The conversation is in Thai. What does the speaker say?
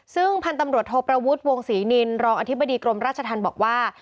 ซึ่งพันธุ์ตำรวจโทประวุฒิวงศรีนินรองอธิบดีกรมราชธรรมบอกว่า